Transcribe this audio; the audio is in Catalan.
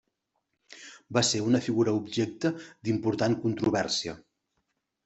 Va ser una figura objecte d'important controvèrsia.